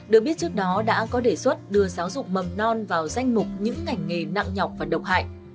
được biết trước đó đã có đề xuất đưa giáo dục mầm non vào danh mục những ngành nghề nặng nhọc và độc hại